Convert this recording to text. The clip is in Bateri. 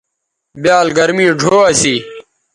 بیال گرمی ڙھو اسی